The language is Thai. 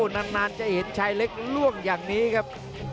นานจะเห็นชายเล็กล่วงอย่างนี้ครับ